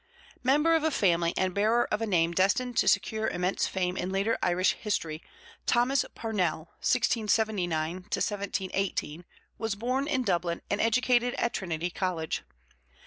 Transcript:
Member of a family and bearer of a name destined to secure immense fame in later Irish history, Thomas Parnell (1679 1718) was born in Dublin and educated at Trinity College.